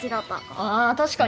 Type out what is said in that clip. あ確かに！